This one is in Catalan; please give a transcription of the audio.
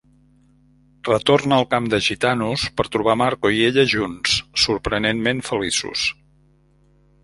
Retorna al camp de gitanos per trobar Marco i ella junts, sorprenentment feliços.